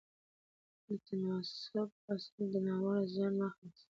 د تناسب اصل د ناوړه زیان مخه نیسي.